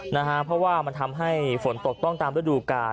นะฮะเพราะว่ามันทำให้ฝนตกต้องตามต้นดูกา